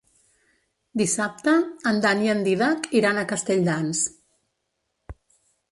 Dissabte en Dan i en Dídac iran a Castelldans.